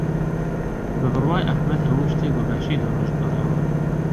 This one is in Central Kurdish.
بە بڕوای ئەحمەد هەموو شتێک بەباشی دەڕۆشت بەڕێوە.